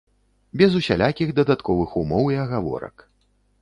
Без усялякіх дадатковых умоў і агаворак.